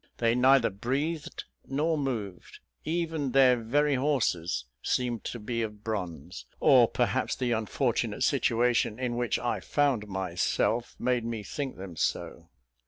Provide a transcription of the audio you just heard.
They neither breathed nor moved; even their very horses seemed to be of bronze, or, perhaps the unfortunate situation in which I found myself made me think them so.